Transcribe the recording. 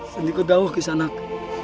dan ikut doa kisah anak